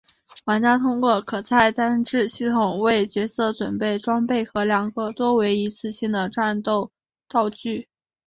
玩家通过可菜单制系统为角色准备装备和两个多为一次性的战斗道具。